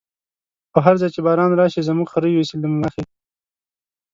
په هر ځای چی باران راشی، زموږ خره يوسی له مخی